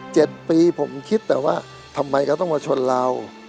๗ปีผมคิดแต่ว่าทำไมเขาต้องมาชนเรา